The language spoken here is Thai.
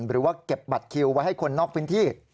หรือว่าเก็บบัตรคิวไว้ให้คนนอกพื้นที่